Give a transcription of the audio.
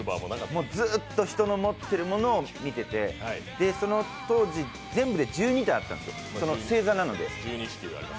ずーっと人の持ってるものを見てて、その当時、全部で１２あったんですよ星座なので。